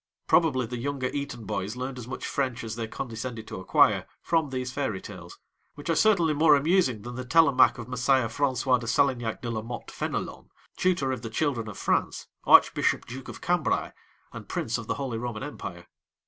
Probably the younger Eton boys learned as much French as they condescended to acquire from these fairy tales, which are certainly more amusing than the Télémaque of Messire François de Salignac de la Motte Fénelon, tutor of the children of France, Archbishop Duke of Cambrai, and Prince of the Holy Roman Empire.